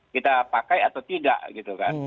kita pakai atau tidak gitu kan